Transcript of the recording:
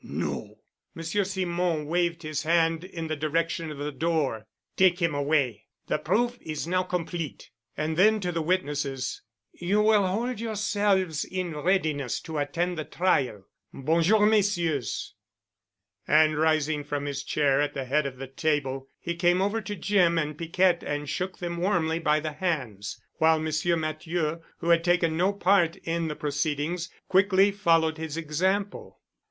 "No." Monsieur Simon waved his hand in the direction of the door. "Take him away. The proof is now complete." And then to the witnesses, "You will hold yourselves in readiness to attend the trial. Bonjour, messieurs." And rising from his chair at the head of the table he came over to Jim and Piquette and shook them warmly by the hands, while Monsieur Matthieu, who had taken no part in the proceedings, quickly followed his example.